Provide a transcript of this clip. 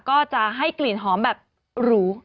ก็จะให้กลิ่นหอมแบบหรู